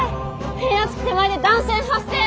変圧器手前で断線発生！